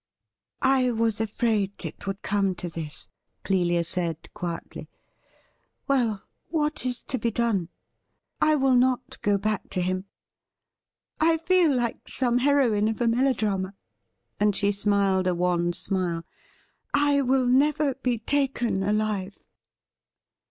' I was afraid it would come to this,' Clelia said quietly. ' Well, what is to be done ? I will not go back to him. I feel like some heroine of a melodrama ;' and she smiled a wan smile. ' I will never be taken alive.'